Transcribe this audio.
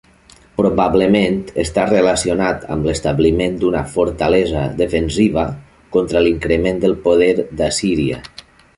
Probablement està relacionat amb l'establiment d'una fortalesa defensiva contra l'increment del poder d'Assíria.